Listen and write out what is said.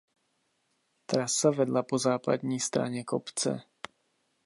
Trasa vedla po západní straně kopce.